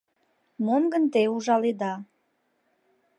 «Мом гын те ужаледа